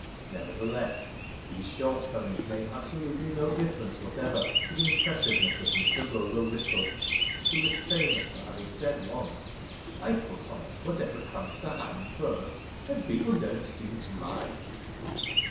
Nevertheless, these shortcomings made absolutely no difference whatever to the impressiveness of Mr. Rollo Wrissell, who was famous for having said once: "I put on whatever comes to hand first, and people don't seem to mind."